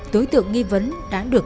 tối tượng nghi vấn đã được